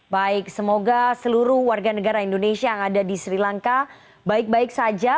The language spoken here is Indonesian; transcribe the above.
baik semoga seluruh warga negara indonesia yang ada di sri lanka baik baik saja